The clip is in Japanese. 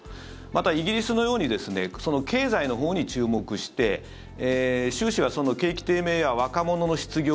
また、イギリスのようにですね経済のほうに注目して習氏は景気低迷や若者の失業